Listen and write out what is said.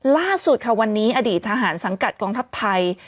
ล่าสุดค่ะวันนี้อดีตทหารสังกัดกองทัพไทย